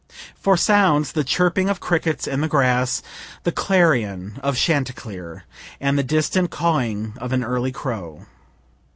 For sounds, the chirping of crickets in the grass, the clarion of chanticleer, and the distant cawing of an early crow.